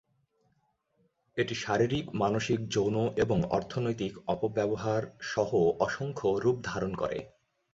এটি শারীরিক, মানসিক, যৌন এবং অর্থনৈতিক অপব্যবহার সহ অসংখ্য রূপ ধারণ করে।